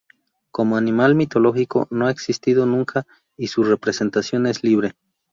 Como animal mitológico no ha existido nunca y su representación es libre.